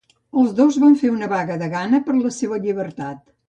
Els dos van fer una vaga de gana per la seua llibertat.